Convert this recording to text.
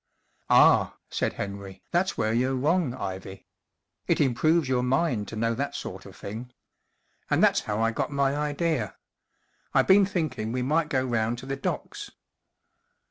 " Ah !" said Henry, *# that’s w T here you're wrong* Ivy* It improves your mind to know that sort of thing, And that's how 1 got my ideer. I been thinking we might go round to the docks."